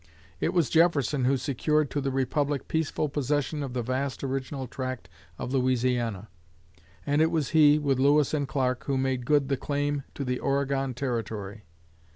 It was Jefferson who secured to the Republic peaceful possession of the vast original tract of Louisiana; and it was he, with Lewis and Clark, who made good the claim to the Oregon territory.